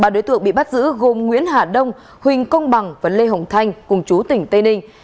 ba đối tượng bị bắt giữ gồm nguyễn hà đông huỳnh công bằng và lê hồng thanh cùng chú tỉnh tây ninh